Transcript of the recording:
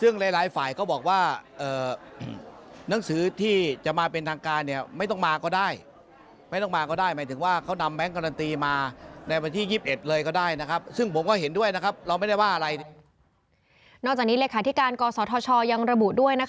นอกจากนี้ละคราธิการกศธชยังระบุด้วย